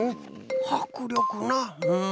はくりょくなうん。